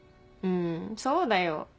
うんそうだよ。